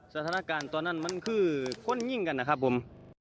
สถานการณ์ตอนนั้นมันคือคนยิ่งกันนะครับผม